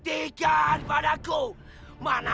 aku akan melawan kemurkaannya